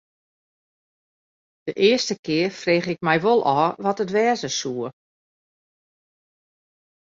De earste kear frege ik my wol ôf wat it wêze soe.